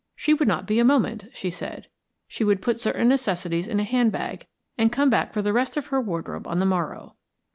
She would not be a moment, she said. She would put certain necessaries in a handbag, and come back for the rest of her wardrobe on the morrow.